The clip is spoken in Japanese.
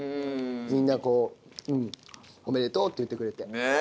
みんなこうおめでとうって言ってくれて。